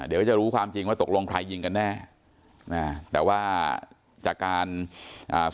เดี๋ยวก็จะรู้ความจริงว่าตกลงใครยิงกันแน่นะแต่ว่าจากการอ่า